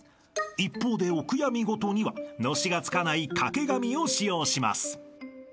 ［一方でお悔やみ事にはのしがつかない掛け紙を使用します］